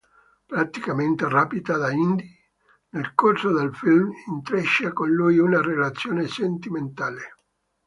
Praticamente rapita da Indy, nel corso del film intreccia con lui una relazione sentimentale.